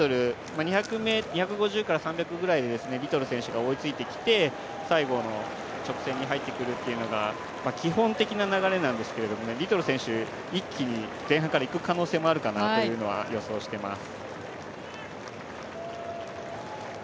２５０から３００ｍぐらいでリトル選手が追いついてきて最後の直線に入ってくるというのが基本的な流れなんですけどリトル選手、一気に前半からいく可能性もあるかなというのは予想しています。